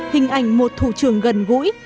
hình ảnh một thủ trường gần gũi